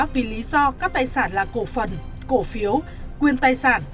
vì lý do các tài sản là cổ phần cổ phiếu quyền tài sản